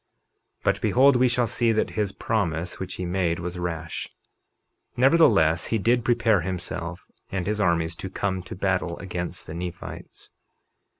51:10 But behold, we shall see that his promise which he made was rash; nevertheless, he did prepare himself and his armies to come to battle against the Nephites.